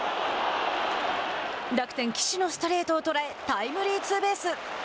楽天・岸のストレートを捉えタイムリーツーベース。